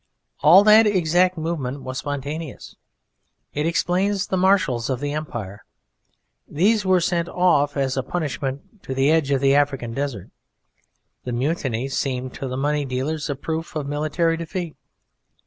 All that exact movement was spontaneous. It explains the Marshals of the Empire. These were sent off as a punishment to the edge of the African desert; the mutiny seemed to the moneydealers a proof of military defeat.